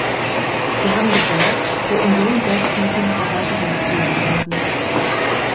Sie haben gesagt, die Union selbst müsse noch erweiterungsfähig werden.